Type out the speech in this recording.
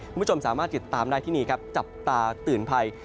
คุณผู้ชมสามารถติดตามได้ที่นี่ครับจับตาเตือนภัย